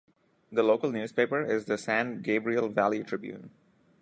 The local newspaper is the "San Gabriel Valley Tribune".